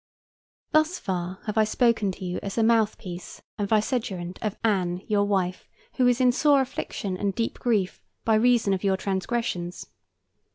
Thus far have I spoken to you as the mouthpiece and vicegerent of Anne, your wife, who is in sore affliction and deep grief by reason of your transgressions.